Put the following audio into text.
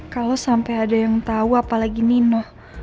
kalo sampe ada yang tau apalagi nino